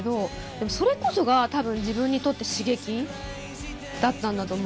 でもそれこそが多分自分にとって刺激だったんだと思うんですよね。